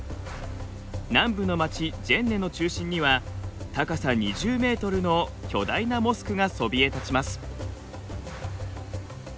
南部の町ジェンネの中心には高さ２０ｍの巨大なモスクがそびえ立ちます。